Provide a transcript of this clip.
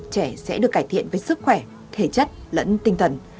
trẻ sẽ được cải thiện với sức khỏe thể chất lẫn tinh thần